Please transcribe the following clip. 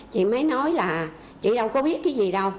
chị mới nói là chị đâu có biết cái gì đâu